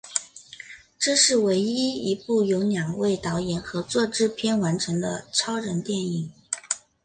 这是唯一一部由两位导演合作制片完成的超人电影。